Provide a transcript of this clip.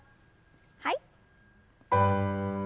はい。